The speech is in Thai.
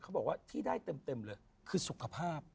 เขาบอกว่าที่ได้เต็มเลยคือสุขภาพ